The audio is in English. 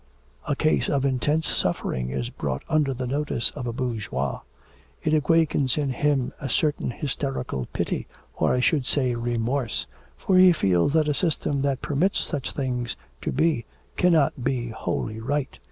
A case of intense suffering is brought under the notice of a bourgeois; it awakens in him a certain hysterical pity, or, I should say, remorse, for he feels that a system that permits such things to be cannot be wholly right.